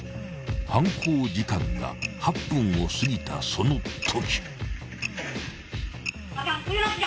［犯行時間が８分をすぎたそのとき］